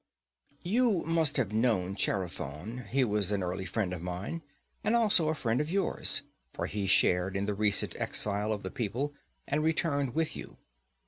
You must have known Chaerephon; he was early a friend of mine, and also a friend of yours, for he shared in the recent exile of the people, and returned with you.